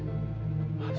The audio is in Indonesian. kamu sudah kurus